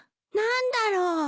何だろう？